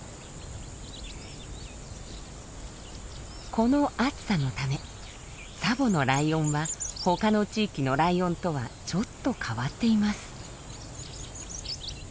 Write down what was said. この暑さのためツァボのライオンは他の地域のライオンとはちょっと変わっています。